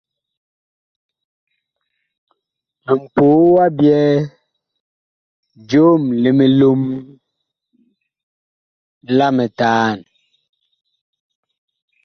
Mpoo a byɛɛ joom li milom la mitaan.